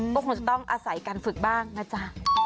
ก็คงจะต้องอาศัยการฝึกบ้างนะจ๊ะ